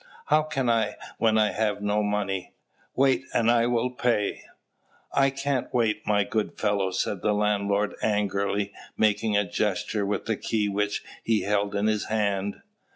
"How can I when I have no money? Wait, and I will pay." "I can't wait, my good fellow," said the landlord angrily, making a gesture with the key which he held in his hand.